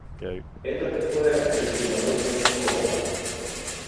– Это такое международное слово.